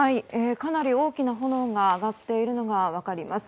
かなり大きな炎が上がっているのが分かります。